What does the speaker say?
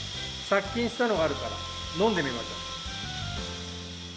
殺菌したのがあるからのんでみましょう。